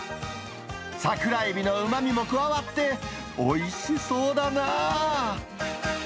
桜エビのうまみも加わって、おいしそうだなあ。